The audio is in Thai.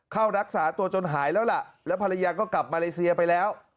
เข้ารักษาตัวจนหายแล้วล่ะแล้วภรรยาก็กลับมาเลเซียไปแล้ว